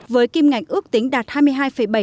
với kim ngạch ước tính đạt bảy mươi chín tám mươi chín tỷ usd